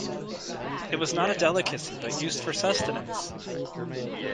It was not a delicacy, but used for sustenance.